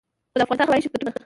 خو د افغانستان هوايي شرکتونه